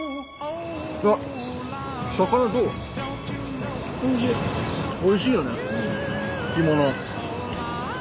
おいしいよね干物。